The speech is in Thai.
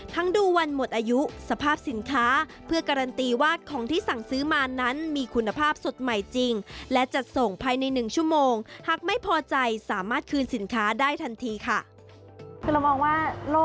สามารถคืนสินค้าได้ทันทีค่ะ